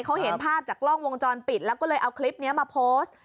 เขาเห็นภาพจากกล้องวงจรปิดแล้วก็เลยเอาคลิปนี้มาโพสต์